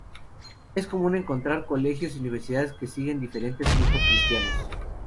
Es común encontrar colegios y universidades que siguen diferentes grupos cristianos.